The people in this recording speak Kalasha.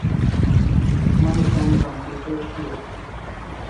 May som computer shiaw